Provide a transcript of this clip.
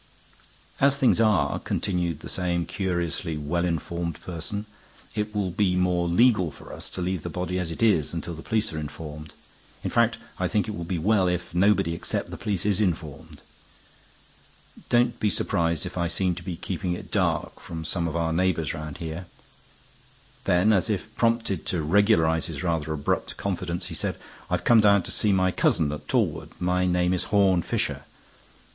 "As things are," continued the same curiously well informed person, "it will be more legal for us to leave the body as it is until the police are informed. In fact, I think it will be well if nobody except the police is informed. Don't be surprised if I seem to be keeping it dark from some of our neighbors round here." Then, as if prompted to regularize his rather abrupt confidence, he said: "I've come down to see my cousin at Torwood; my name is Horne Fisher.